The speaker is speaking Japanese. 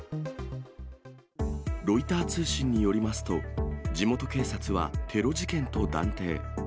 ロイター通信によりますと、地元警察はテロ事件と断定。